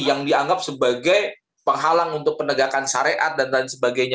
yang dianggap sebagai penghalang untuk penegakan syariat dan lain sebagainya